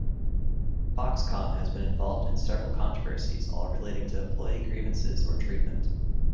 Foxconn has been involved in several controversies all relating to employee grievances or treatment.